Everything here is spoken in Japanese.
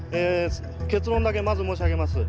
結論だけまず申し上げます。